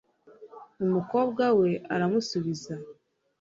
umukobwa we aramusubiza